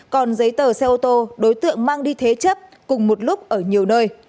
còn giấy tờ xe ô tô đối tượng mang đi thế chấp cùng một lúc ở nhiều nơi